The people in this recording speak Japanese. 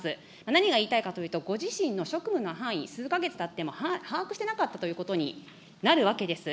何が言いたいかというと、ご自身の職務の範囲、数か月たっても把握していなかったということになるわけです。